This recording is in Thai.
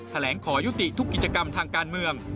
แถลงขอยุติทุกกิจกรรมทางการเมือง